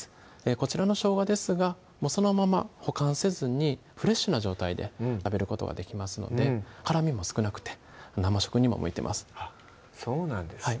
こちらの生姜ですがそのまま保管せずにフレッシュな状態で食べることができますので辛みも少なくて生食にも向いてますそうなんですね